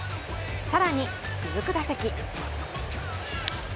更に、続く打席。